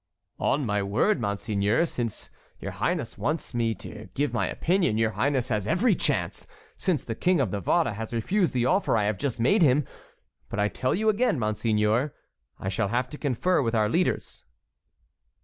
"On my word, monseigneur, since your highness wants me to give my opinion, your highness has every chance, since the King of Navarre has refused the offer I have just made him. But I tell you again, monseigneur, I shall have to confer with our leaders."